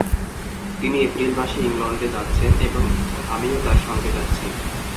তিনি এপ্রিল মাসে ইংলণ্ডে যাচ্ছেন এবং আমিও তাঁর সঙ্গে যাচ্ছি।